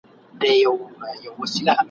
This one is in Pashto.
په هوا کشپ روان وو ننداره سوه !.